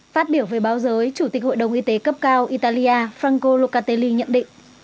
phát biểu về báo giới chủ tịch hội đồng y tế cấp cao italia franco lucatelli nhận định